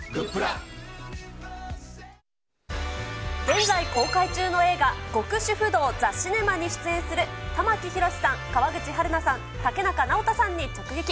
現在、公開中の映画、極主夫道ザ・シネマに出演する玉木宏さん、川口春奈さん、竹中直人さんに直撃。